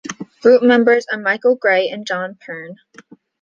Group members are Michael Gray and Jon Pearn.